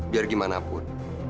biar gimana pun